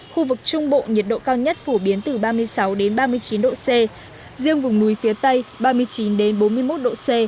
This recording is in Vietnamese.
khu vực trung bộ nhiệt độ cao nhất phổ biến từ ba mươi sáu ba mươi chín độ c riêng vùng núi phía tây ba mươi chín bốn mươi một độ c